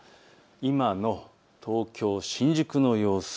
今の東京新宿の様子。